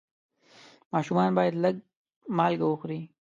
ماشومان باید لږ مالګه وخوري.